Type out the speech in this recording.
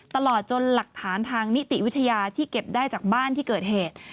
ตลอดจนหลักฐานทางนิติวิทยาที่เก็บได้จากบ้านที่เกิดเหตุ